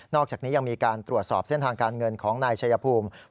อกจากนี้ยังมีการตรวจสอบเส้นทางการเงินของนายชัยภูมิ